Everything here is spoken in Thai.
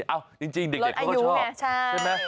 เอาจริงเด็กเขาก็ชอบใช่ไหม